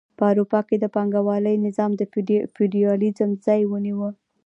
په اروپا کې د پانګوالۍ نظام د فیوډالیزم ځای ونیو.